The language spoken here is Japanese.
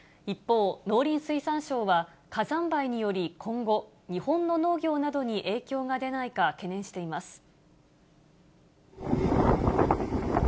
一方、農林水産省は火山灰により今後、日本の農業などに影響が出ないか懸念しています。